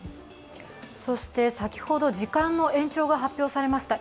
そして先ほど時間の延長が発表されました。